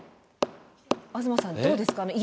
東さんどうですか？